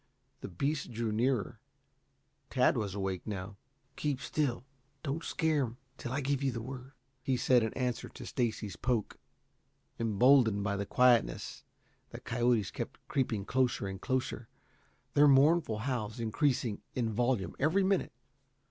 The beasts drew nearer. Tad was awake now. "Keep still, don't scare them until I give the word," he said in answer to Stacy's poke. Emboldened by the quietness, the coyotes kept creeping closer and closer, their mournful howls increasing in volume every minute.